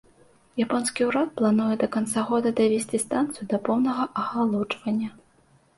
Японскі ўрад плануе да канца года давесці станцыю да поўнага ахалоджвання.